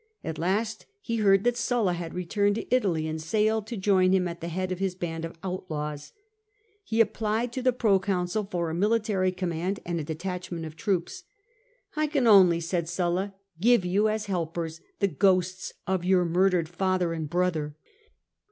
At last he heard that Snlla had returned to Italy, and sailed to join him at the head of his band of outlaws. He applied to the proconsul for a military com mand and a detachment of troops. " I can only,'' said Sulla, give you as helpers the ghosts of your murdered father and brother."